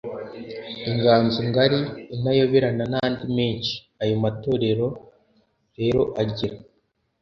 Inganzo ngari, Intayoberana n’andi menshi. Aya matorero rero agira